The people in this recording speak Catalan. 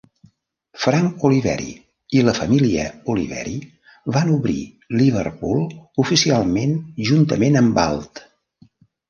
Frank Oliveri i la família Oliveri van obrir Liverpool oficialment juntament amb Ald.